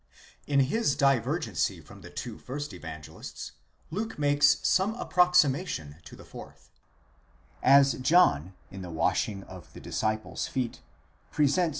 In his divergency from the two first Evangelists, Luke makes some approxi mation to the fourth, As John, in the washing of the disciples' feet, presents.